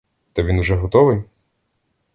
Та він уже готовий?